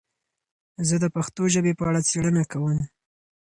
زه د پښتو ژبې په اړه څېړنه کوم.